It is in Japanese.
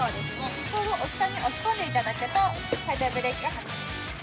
ここを下に押し込んでいただくとサイドブレーキがかかります。